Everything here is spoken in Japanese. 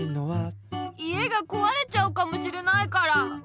家がこわれちゃうかもしれないから！